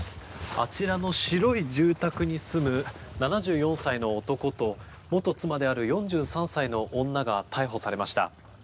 あちらの白い住宅に住む７４歳の男と元妻である４３歳の女が逮捕されました。